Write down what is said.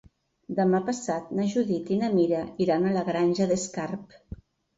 Demà passat na Judit i na Mira iran a la Granja d'Escarp.